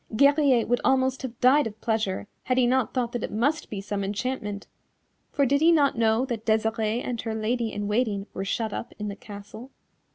Guerrier would almost have died of pleasure had he not thought that it must be some enchantment, for did he not know that Desirée and her Lady in Waiting were shut up in the castle.